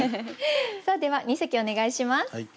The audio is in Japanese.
さあでは二席お願いします。